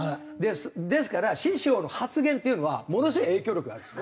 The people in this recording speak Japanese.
ですから師匠の発言っていうのはものすごい影響力がある。